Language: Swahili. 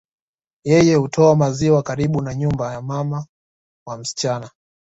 Yeye hutoa maziwa karibu na nyumba ya mama wa msichana